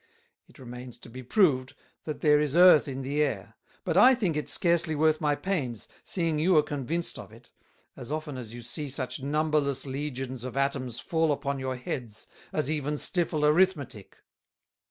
It remains to be proved, that there is Earth in the Air; but I think it scarcely worth my pains, seeing you are convinced of it, as often as you see such numberless Legions of Atomes fall upon your heads, as even stiffle Arithmetick.